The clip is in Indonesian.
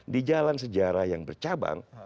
di jalan sejarah yang bercabang